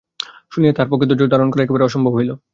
শুনিয়া তাঁহার পক্ষে ধৈর্য রক্ষা করা একেবারে অসম্ভব হইল।